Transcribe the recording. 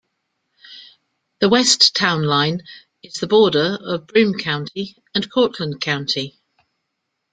The west town line is the border of Broome County and Cortland County.